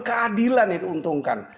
keadilan yang diuntungkan